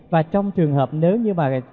và trong trường hợp nếu như mà